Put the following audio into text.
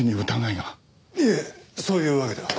いえそういうわけでは。